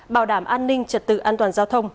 bảo đảm an ninh trật tự an toàn giao thông